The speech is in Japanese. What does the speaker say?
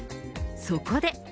そこで。